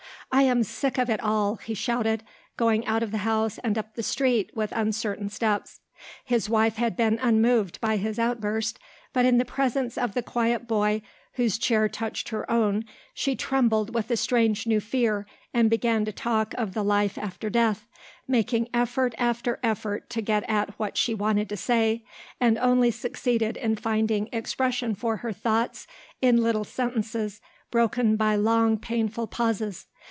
"I am sick of it all," he shouted, going out of the house and up the street with uncertain steps. His wife had been unmoved by his outburst, but in the presence of the quiet boy whose chair touched her own she trembled with a strange new fear and began to talk of the life after death, making effort after effort to get at what she wanted to say, and only succeeding in finding expression for her thoughts in little sentences broken by long painful pauses.